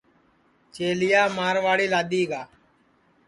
چیلِیا مارواڑی لادؔی گا